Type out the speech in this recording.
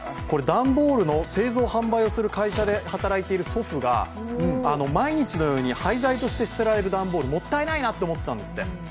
段ボールを製造・販売する会社に勤めている祖父が毎日のように廃材として捨てられる段ボールもったいないなって思ってたんでっすって。